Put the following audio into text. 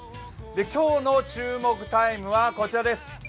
今日の注目タイムは、こちらです。